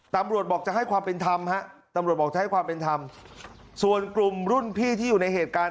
ตำรวจบอกจะให้ความเป็นธรรมส่วนกลุ่มรุ่นพี่ที่อยู่ในเหตุการณ์